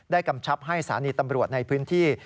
กำชับให้สถานีตำรวจในพื้นที่